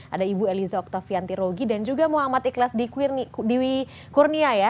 ada ibu eliza oktavianti rugi dan juga muhammad ikhlas diwi kurnia ya